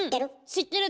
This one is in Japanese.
知ってる。